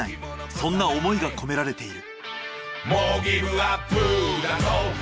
そんな思いが込められている。